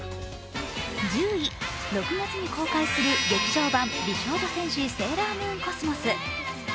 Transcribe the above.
１０位、６月に公開する劇場版「美少女戦士セーラームーンＣｏｓｍｏｓ」